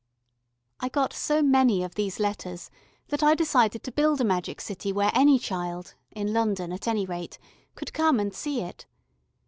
I got so many of these letters that I decided to build a magic city where any child, in London at any rate, could come and see it.